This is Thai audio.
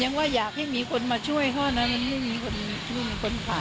ว่าอยากให้มีคนมาช่วยเขานะมันไม่มีคนช่วยมีคนผ่าน